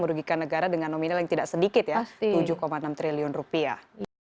merugikan negara dengan nominal yang tidak sedikit ya tujuh enam triliun rupiah